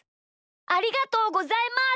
ありがとうございます！